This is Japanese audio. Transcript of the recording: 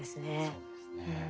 そうですね。